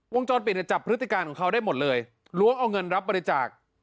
จรปิดเนี่ยจับพฤติการของเขาได้หมดเลยล้วงเอาเงินรับบริจาค